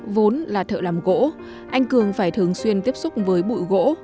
vốn là thợ làm gỗ anh cường phải thường xuyên tiếp xúc với bụi gỗ